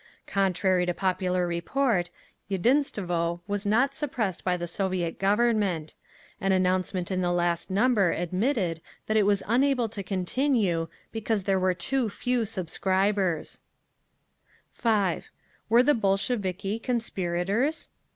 Contrary to popular report, Yedinstvo was not suppressed by the Soviet Government; an announcement in the last number admitted that it was unable to continue because there were too few subscribers…. 5. WERE THE BOLSHEVIKI CONSPIRATORS?